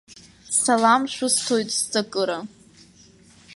Салам шәысҭоит сҵакыра.